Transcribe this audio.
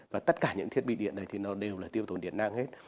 và tất cả những thiết bị điện đấy thì nó đều là tiêu tốn điện năng hết